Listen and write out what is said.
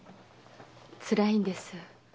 つらいんです。